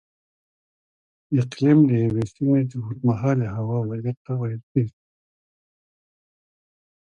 اقلیم د یوې سیمې د اوږدمهالې هوا وضعیت ته ویل کېږي.